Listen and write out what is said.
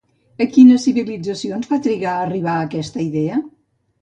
A quines civilitzacions va trigar a arribar aquesta idea?